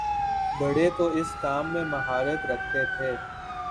بڑے تو اس کام میں مہارت رکھتے تھے۔